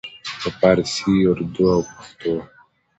په پارسي، اردو او پښتو